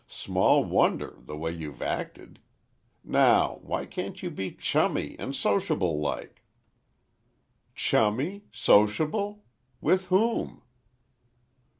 Small wonder—the way you've acted! Now, why can't you be chummy and sociable like?" "Chummy? Sociable? With whom?"